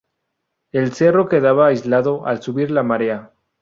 El cerro quedaba aislado al subir la marea.